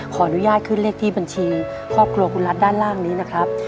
ขออนุญาตขึ้นเลขที่บัญชีครอบครัวคุณรัฐด้านล่างนี้นะครับ